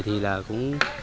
thì là cũng